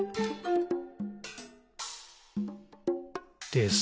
「です。」